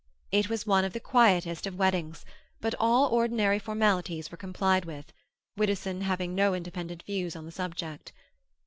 It was one of the quietest of weddings, but all ordinary formalities were complied with, Widdowson having no independent views on the subject.